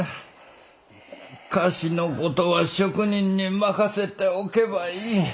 菓子の事は職人に任せておけばいい。